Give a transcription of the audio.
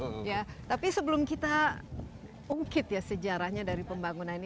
pembicara tiga puluh tujuh tapi sebelum kita ungkit ya sejarahnya dari pembangunan ini